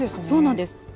そうなんです。